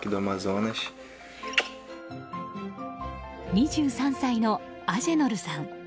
２３歳のアジェノルさん。